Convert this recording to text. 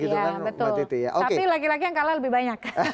tapi laki laki yang kalah lebih banyak